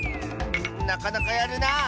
なかなかやるな！